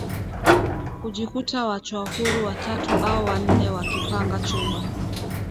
hujikuta waachwa huru watatu au wanne wakipanga chumba